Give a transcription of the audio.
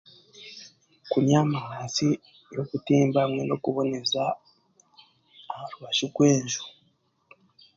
Kunyama ahansi y'obutimba hamwe n'okuboneza aha rubaju rw'enju